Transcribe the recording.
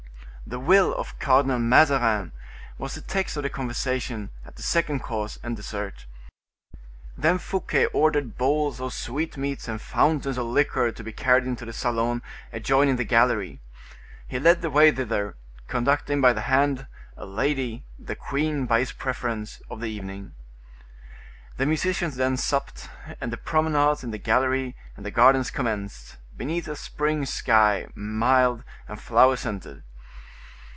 The will of Cardinal Mazarin was the text of the conversation at the second course and dessert; then Fouquet ordered bowls of sweetmeats and fountains of liquor to be carried into the salon adjoining the gallery. He led the way thither, conducting by the hand a lady, the queen, by his preference, of the evening. The musicians then supped, and the promenades in the gallery and the gardens commenced, beneath a spring sky, mild and flower scented.